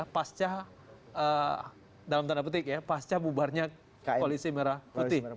pasca dalam tanda petik ya pasca bubarnya koalisi merah putih